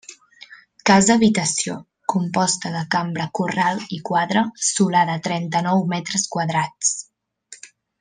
Casa habitació, composta de cambra corral i quadra, solar de trenta-nou metres quadrats.